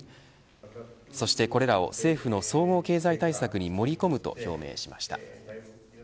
そしてこれらを政府の総合経済対策に盛り込むと表明しました。